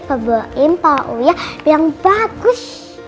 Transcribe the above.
pembuatan uya bilang bagus